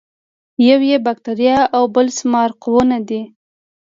یو یې باکتریا او بل سمارقونه دي.